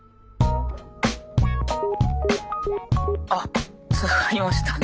あっつながりましたね。